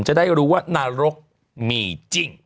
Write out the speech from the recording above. จะได้รู้ว่านรกมีจริง